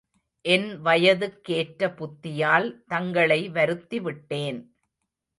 என் வயதுக்கேற்ற புத்தியால் தங்களை வருத்திவிட்டேன்!